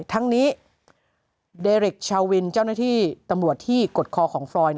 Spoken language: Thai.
ทั้งนี้เดริกชาววินเจ้าหน้าที่ตำรวจที่กดคอของฟรอย